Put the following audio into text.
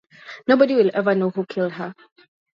Nobody will ever know who killed her.